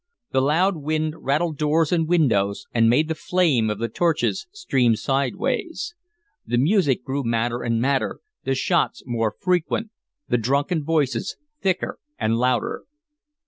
The loud wind rattled doors and windows, and made the flame of the torches stream sideways. The music grew madder and madder, the shots more frequent, the drunken voices thicker and louder.